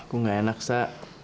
aku gak enak sa